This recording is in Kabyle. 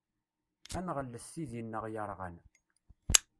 Ad nɣellet tidi-nneɣ yerɣan.